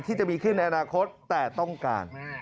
ที่จะมีขึ้นในอนาคตแต่ต้องการ